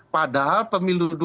padahal pemilu dua tahun itu ya